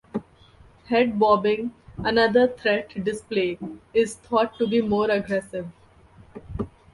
Head-bobbing, another threat display, is thought to be more aggressive.